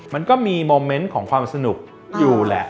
มันก็มีโมเมนต์ของความสนุกอยู่แหละ